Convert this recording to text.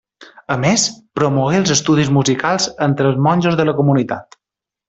A més, promogué els estudis musicals entre els monjos de la comunitat.